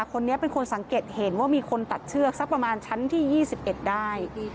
คนนี้เป็นคนสังเกตเห็นว่ามีคนตัดเชือกสักประมาณชั้นที่๒๑ได้